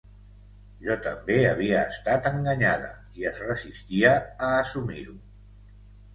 Jo també havia estat enganyada i es resistia a assumir-ho.